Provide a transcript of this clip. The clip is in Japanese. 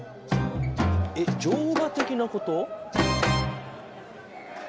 えっ乗馬的なこと？